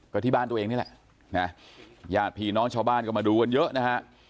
ก็ที่บ้านตัวเองนี่แหละนะญาติพี่น้องชาวบ้านก็มาดูกันเยอะนะฮะ